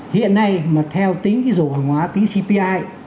hiện nay mà theo tính dụng hàng hóa tính cpi